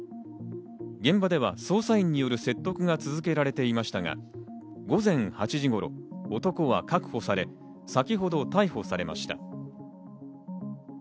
現場では捜査員による説得が続けられていましたが、午前８時頃、男は確保され、先ほど逮捕されました。